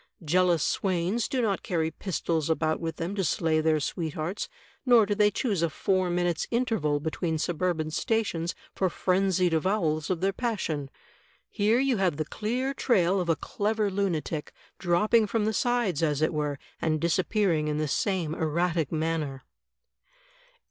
Jealous swains do not carry pistols about with them to slay their sweethearts, nor do they choose a four minutes* interval between suburban stations for frenzied avowals of their passion. Here you have the clear trail of a clever lunatic, dropping from the sides, as it were, and disappearing in the same erratic manner."